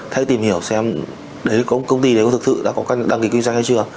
thay tìm hiểu xem công ty đấy có thực sự đã có đăng ký kinh doanh hay chưa